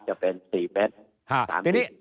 จะเป็น๔๓๐เมตร